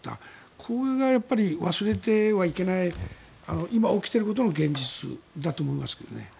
これが忘れてはいけない今、起きていることの現実だと思いますけどね。